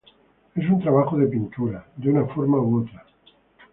Es un trabajo de pintura, de una forma u otra.